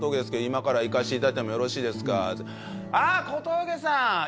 「今から行かせていただいてもよろしいですか？」